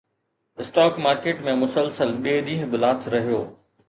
stock market ۾ مسلسل ٻئي ڏينهن به لاٿ رهيو